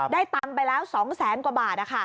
ได้ตำไปแล้ว๒๐๐๐๐๐กว่าบาท